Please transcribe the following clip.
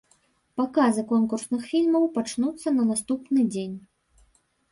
Паказы конкурсных фільмаў пачнуцца на наступны дзень.